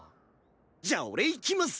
じゃあ俺行きます。